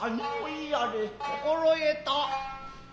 心得た。